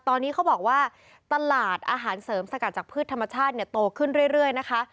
ตอนนี้เขาบอกว่าตลาดอาหารเสริมสกัดจากพืชธรรมชาติเนี่ยโตขึ้นเรื่อยนะคะ